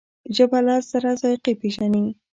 ژبه لس زره ذایقې پېژني.